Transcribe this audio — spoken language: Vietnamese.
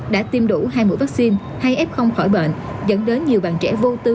đã tiêm đủ hai mũi vaccine hay f khỏi bệnh dẫn đến nhiều bạn trẻ vô tư